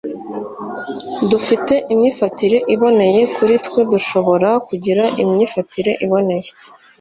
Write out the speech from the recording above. dufite imyifatire iboneye kuri twe dushobora kugira imyifatire iboneye